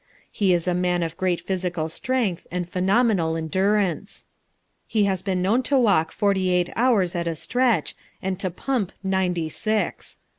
He is a man of great physical strength and phenomenal endurance. He has been known to walk forty eight hours at a stretch, and to pump ninety six.